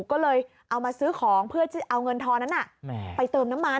ก็เลยเอามาซื้อของเพื่อเอาเงินทอนั้นไปเติมน้ำมัน